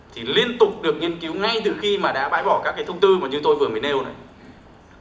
thì liên tục được nghiên cứu ngay từ khi mà đã bãi bỏ các cái thông tư mà như tôi vừa mới nêu này